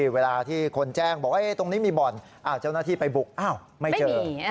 เวลาที่คนแจ้งบอกว่าตรงนี้มีบ่อนเจ้าหน้าที่ไปบุกอ้าวไม่เจอ